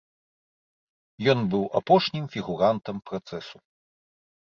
Ён быў апошнім фігурантам працэсу.